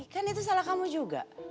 kan itu salah kamu juga